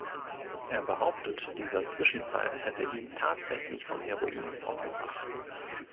Er behauptet, dieser Zwischenfall hätte ihn tatsächlich vom Heroin fortgebracht.